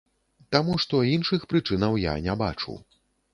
Таму што іншых прычынаў я не бачу.